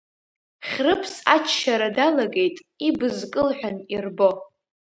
Хьрыԥс аччара далагеит, ибз кылҳәан ирбо.